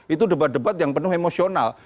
itu debat debat yang penuh emosional